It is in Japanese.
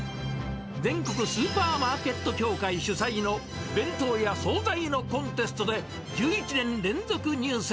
全国スーパーマーケット協会主催の弁当や総菜のコンテストで、連続入選。